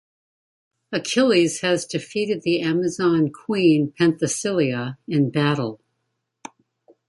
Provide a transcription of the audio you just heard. Achilles has defeated the Amazon queen Penthesilea in battle.